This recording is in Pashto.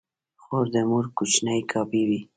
خور د مور کوچنۍ کاپي وي.